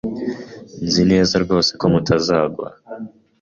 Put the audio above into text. Nzi neza rwose ko mutazangwa